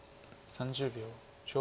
３０秒。